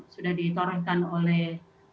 sudah ditorongkan oleh